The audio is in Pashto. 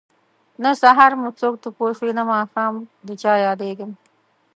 نه سحر مو څوک تپوس کړي نه ماښام ده چه ياديږم